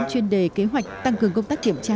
chuyên đề kế hoạch tăng cường công tác kiểm tra